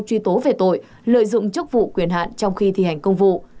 truy tố về tội lợi dụng chức vụ quyền hạn trong khi thi hành công vụ